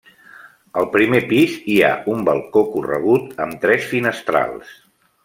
Al primer pis hi ha un balcó corregut amb tres finestrals.